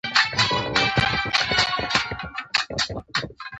په غرمه کې د کور بوی ډېر خوند کوي